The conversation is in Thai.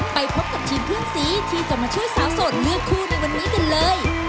ไปพบกับทีมเพื่อนสีที่จะมาช่วยสาวโสดเลือกคู่ในวันนี้กันเลย